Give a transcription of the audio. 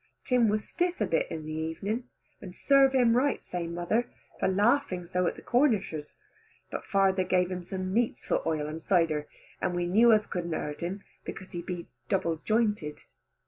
Tim was stiff a bit in the evening, and serve him right say mother, for laughing so at the Cornishers; but father give him some neatsfoot oil and cider, and we knew us couldn't hurt him because he be double jointed.